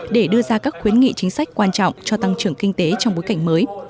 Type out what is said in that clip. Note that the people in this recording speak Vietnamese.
để đưa ra các khuyến nghị chính sách quan trọng cho tăng trưởng kinh tế trong bối cảnh mới